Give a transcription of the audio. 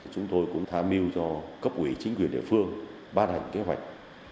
chúng tôi cũng tham mưu cho cấp ủy chính quyền địa phương ban hành kế hoạch